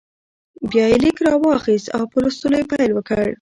بیا یې لیک راواخیست او په لوستلو یې پیل وکړ.